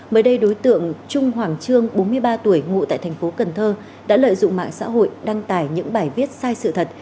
mới đây đối tượng trung hoàng trương bốn mươi ba tuổi ngụ tại thành phố cần thơ đã lợi dụng mạng xã hội đăng tải những bài viết sai sự thật